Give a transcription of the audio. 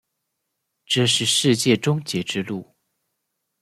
这是世界终结之路。